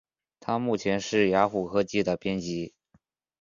他目前是雅虎科技的编辑。